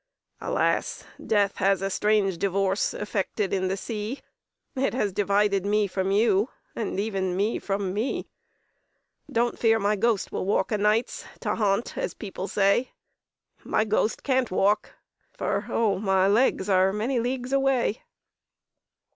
"Alas! death has a strange divorce Effected in the sea, It has divided me from you, And even me from me! "Don't fear my ghost will walk o' nights To haunt, as people say; My ghost can't walk, for, oh! my legs Are many leagues away!